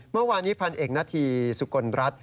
เมื่อวานนี้พันธุ์เอกหน้าที่สุกลรัฐ